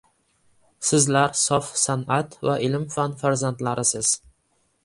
Sizlar sof san’at va ilm-fan farzandlarisiz.